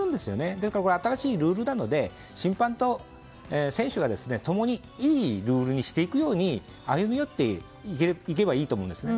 だから、新しいルールなので審判と選手が共にいいルールにしていくように歩み寄っていけばいいと思うんですよね。